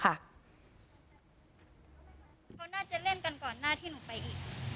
เขาน่าจะเล่นกันก่อนหน้าที่หนูไปอีก